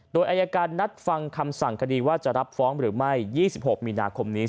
โดยอายการนัดฟังคำสั่งคดีว่าจะรับฟ้องหรือไม่๒๖มีนาคมนี้